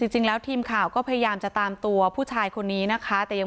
จริงแล้วทีมข่าวก็พยายามจะตามตัวผู้ชายคนนี้นะคะ